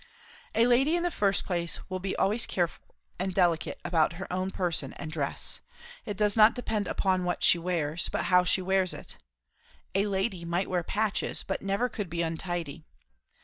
"A lady in the first place will be always careful and delicate about her own person and dress; it does not depend upon what she wears, but how she wears it; a lady might wear patches, but never could be untidy.